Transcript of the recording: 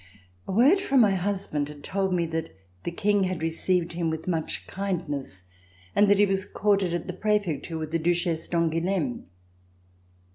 A word from my husband had told me that the King had received him with much kindness, and that he was quartered at the Prefecture with the Duchesse d'Angouleme.